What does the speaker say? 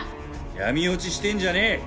闇落ちしてんじゃねえ！